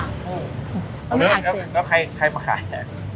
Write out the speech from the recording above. ๒เดือนแล้วใครมาขายเนี่ย